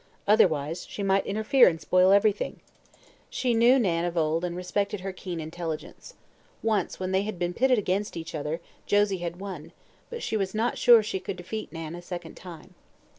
Otherwise she might interfere and spoil everything. She knew Nan of old and respected her keen intelligence. Once, when they had been pitted against each other, Josie had won; but she was not sure she could defeat Nan a second time.